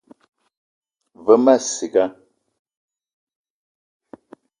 Ve ma ciga